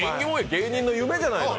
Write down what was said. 芸人の夢じゃないの。